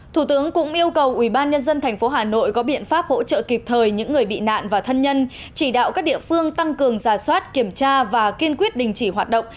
thủ tướng cũng yêu cầu ubnd tp hà nội có biện pháp hỗ trợ kịp thời những người bị nạn và thân nhân chỉ đạo các địa phương tăng cường giả soát kiểm tra và kiên quyết đình chỉ hoạt động